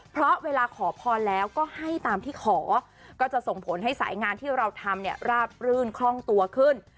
เพราะเวลาขอพรแล้วก็ให้ตามที่ขอก็จะส่งผลให้สายงานที่เราทำเนี่ยราบรื่นคล่องตัวขึ้น